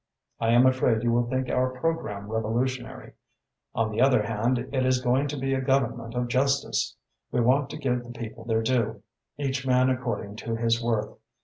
I am afraid you will think our programme revolutionary. On the other hand, it is going to be a Government of justice. We want to give the people their due, each man according to his worth.